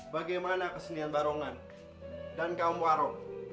bagaimana kesenian barongan dan kaum waro